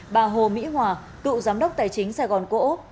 bà hồ mỹ hòa cựu giám đốc tài chính sài gòn cổ úc